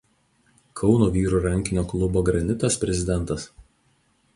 Kauno vyrų rankinio klubo „Granitas“ prezidentas.